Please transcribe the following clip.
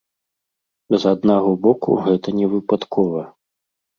З аднаго боку, гэта не выпадкова.